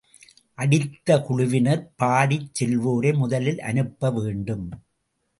அடித்த குழுவினர், பாடிச் செல்வோரை முதலில் அனுப்ப வேண்டும்.